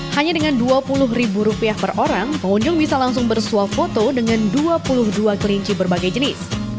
hanya dengan dua puluh ribu rupiah per orang pengunjung bisa langsung bersuap foto dengan dua puluh dua kelinci berbagai jenis